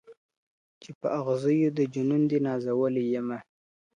چي په اغزیو د جنون دي نازولی یمه.